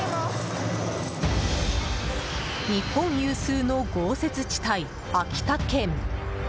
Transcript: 日本有数の豪雪地帯、秋田県。